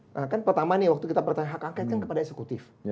nah kan pertama nih waktu kita pertanyaan hak angket kan kepada eksekutif